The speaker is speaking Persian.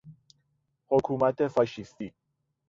حکومت فاشیستی